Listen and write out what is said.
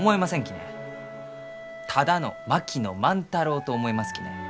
ただの槙野万太郎と思いますきね。